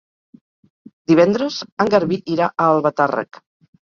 Divendres en Garbí irà a Albatàrrec.